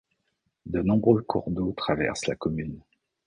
De nombreux cours d’eau traversent la commune.